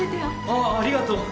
あっありがとう。